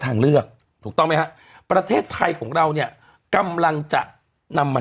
ทางเลือกถูกต้องไหมฮะประเทศไทยของเราเนี่ยกำลังจะนำมา